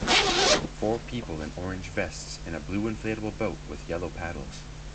Four people in orange vests in a blue inflatable boat with yellow paddles.